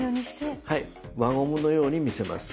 はい輪ゴムのように見せます。